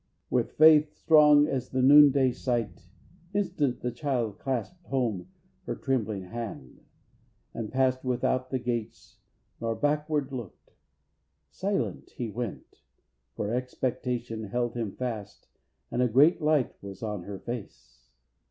With faith strong as is the noonday sight, Instant the child clasped home her trembling hand, And passed without the gates, nor backward lookt. Silent he went, for expectation held Him fast, and a great light was on her face.